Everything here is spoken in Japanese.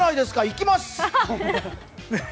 行きます！